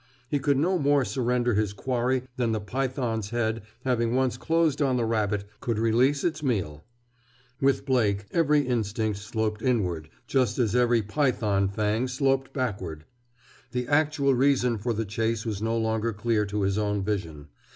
He could no more surrender his quarry than the python's head, having once closed on the rabbit, could release its meal. With Blake, every instinct sloped inward, just as every python fang sloped backward. The actual reason for the chase was no longer clear to his own vision.